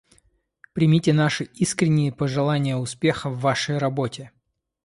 Примите наши искренние пожелания успеха в Вашей работе.